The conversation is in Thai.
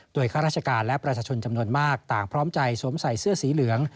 ข้าราชการและประชาชนจำนวนมากต่างพร้อมใจสวมใส่เสื้อสีเหลือง